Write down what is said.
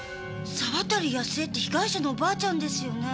沢渡やすえって被害者のおばあちゃんですよね？